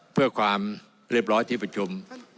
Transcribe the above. เพื่อความเรียบร้อยที่ประชุม